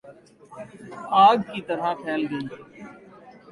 آگ کی طرح پھیل گئی